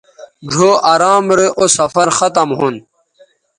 ڙھؤ ارام رے اوسفرختم ھون